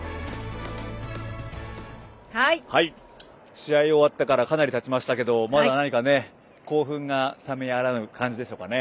試合が終わってからかなりたちましたけどまだ何か興奮が冷めやらぬ感じでしょうかね。